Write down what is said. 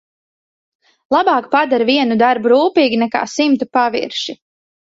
Labāk padari vienu darbu rūpīgi nekā simtu pavirši.